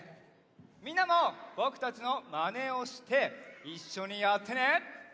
みんなもぼくたちのまねをしていっしょにやってね！